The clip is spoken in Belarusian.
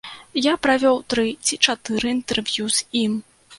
Я правёў тры ці чатыры інтэрв'ю з ім.